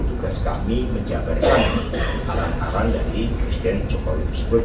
tugas kami menjabarkan arahan arahan dari presiden jokowi tersebut